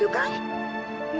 tidak tidak tidak tidak